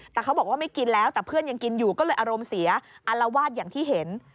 แต่เขาบอกว่าไม่กินแล้วแต่เพื่อนยังกินอยู่ก็เลยอารมณ์เสียอารวาสอย่างที่เห็น